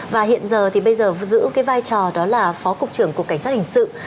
và hiện giờ thì bây giờ giữ cái vai trò đó là phó cục trưởng cục cảnh sát hình sự